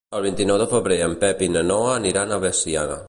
El vint-i-nou de febrer en Pep i na Noa aniran a Veciana.